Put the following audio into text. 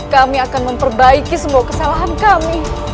kami akan memperbaiki semua kesalahan kami